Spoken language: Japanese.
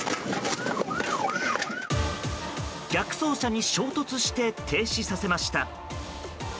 逆走車に衝突して停止させました。